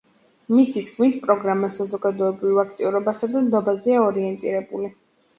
მისი თქმით, პროგრამა საზოგადოებრივ აქტიურობასა და ნდობაზეა ორინეტირებული.